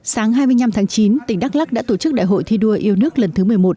sáng hai mươi năm tháng chín tỉnh đắk lắc đã tổ chức đại hội thi đua yêu nước lần thứ một mươi một